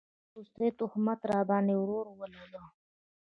دا وروستی تهمت راباند ې ورور اولګوو